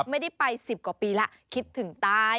ไม่ได้ไป๑๐กว่าปีแล้วคิดถึงตาย